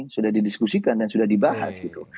sudah didiskusikan dan sudah dibahas gitu